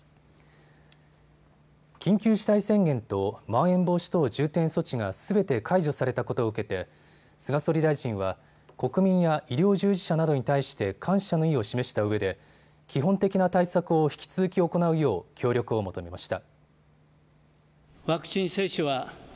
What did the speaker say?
緊急事態宣言とまん延防止等重点措置がすべて解除されたことを受けて菅総理大臣は国民や医療従事者などに対して感謝の意を示したうえで基本的な対策を引き続き行うよう協力を求めました。